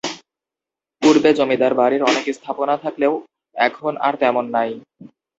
পূর্বে জমিদার বাড়ির অনেক স্থাপনা থাকলেও এখন আর তেমন নাই।